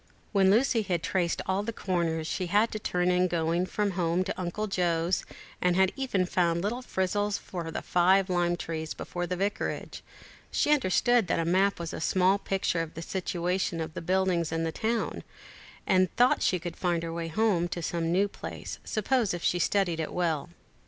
When Lucy had traced all the corners she had to turn in going from home to Uncle Joe's, and had even found little frizzles for the five lime trees before the Vicarage, she understood that the map was a small picture of the situation of the buildings in the town, and thought she could find her way to some new place, suppose she studied it well.